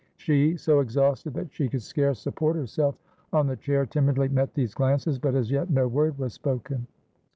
She, so exhausted that she could scarce support herself on the chair, timidly met these glances, but as yet no word was spoken.